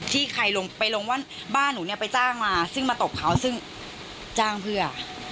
ที่ใครลงไปลงว่าบ้านหนูเนี่ยไปจ้างมาซึ่งมาตบเขาซึ่งจ้างเพื่อ